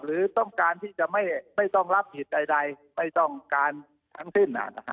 หรือต้องการที่จะไม่ต้องรับผิดใดไม่ต้องการทั้งสิ้น